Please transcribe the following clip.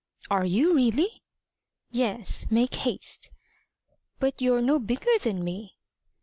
"Are you really?" "Yes. Make haste." "But you're no bigger than me."